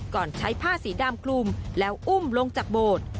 ก่อนใช้ผ้าสีดำคลุมแล้วอุ้มลงจากโบสถ์